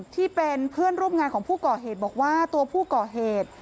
ที่เป็นเพื่อนร่วมงานของผู้ก่อเหตุบอกว่าตัวผู้ก่อเหตุ